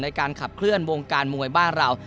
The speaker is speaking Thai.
ในการขับเคลื่อนวงการมวยบ้านเรา